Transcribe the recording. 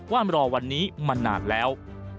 ว่ารอวันนี้มานานแล้ว